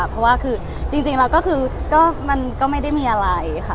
เพราะว่าคือจริงแล้วก็คือมันก็ไม่ได้มีอะไรค่ะ